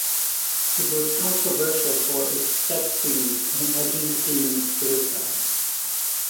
It was controversial for its sex scenes and edgy theme of suicide.